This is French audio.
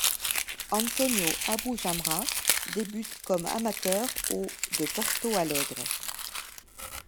Antônio Abujamra débute comme amateur au de Porto Alegre.